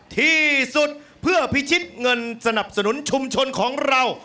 ที่สุดเพื่อพิชิตเงินสนับสนุนชุมชนของเรา